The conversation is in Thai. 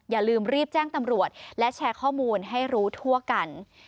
อย่าลืมรีบแจ้งตำรวจและแชร์ข้อมูลให้รู้ทั่วกัน